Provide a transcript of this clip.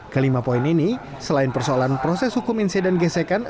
kelima poin ini selain persoalan proses hukum insiden gesekan